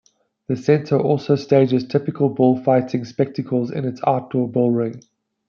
The centre also stages typical bullfighting spectacles in its outdoor bullring.